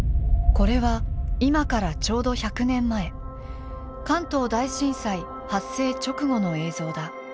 これは今からちょうど１００年前関東大震災発生直後の映像だ。